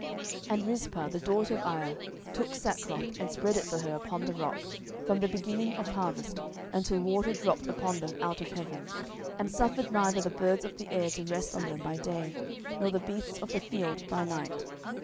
10:021:010 And Rizpah the daughter of Aiah took sackcloth, and spread it for her upon the rock, from the beginning of harvest until water dropped upon them out of heaven, and suffered neither the birds of the air to rest on them by day, nor the beasts of the field by night.